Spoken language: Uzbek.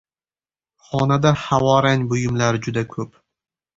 Xonada havorang buyumlar juda koʻp.